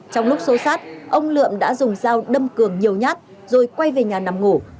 trong lúc xô sát ông lượm đã dùng dao đâm cường nhiều nhát rồi quay về nhà nằm ngủ